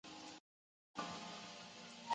青年探索职场